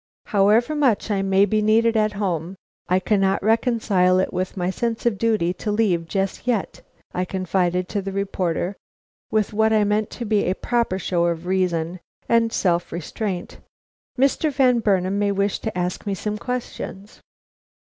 "However much I may be needed at home, I cannot reconcile it with my sense of duty to leave just yet," I confided to the reporter, with what I meant to be a proper show of reason and self restraint; "Mr. Van Burnam may wish to ask me some questions."